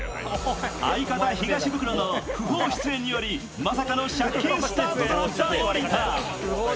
相方・東ブクロの不法出演によりまさかの借金スタートとなった森田。